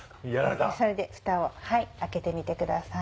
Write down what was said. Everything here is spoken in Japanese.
それでフタを開けてみてください。